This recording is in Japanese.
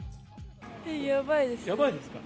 やばいですか？